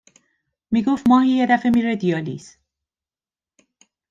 می گفت ماهی یه دفه میره دیالیز